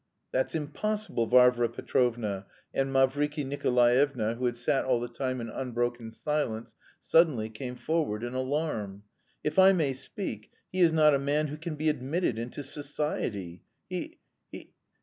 "That's impossible, Varvara Petrovna!" and Mavriky Nikolaevitch, who had sat all the time in unbroken silence, suddenly came forward in alarm. "If I may speak, he is not a man who can be admitted into society. He... he...